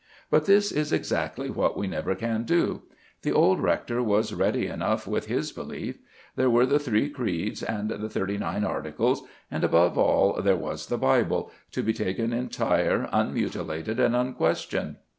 But this is exactly what we never can do. The old rector was ready enough with his belief. There were the three creeds, and the thirty nine articles; and, above all, there was the Bible, to be taken entire, unmutilated, and unquestioned.